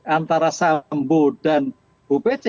antara sambo dan bupc